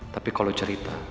tapi kalau cerita